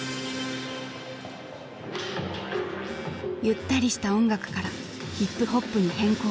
ゆったりした音楽からヒップホップに変更。